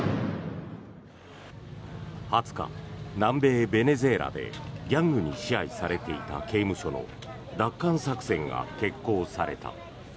２０日、南米ベネズエラでギャングに支配されていた刑務所の奪還作戦が決行された。